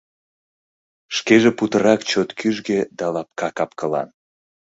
Шкеже путырак чот кӱжгӧ да лапка кап-кылан.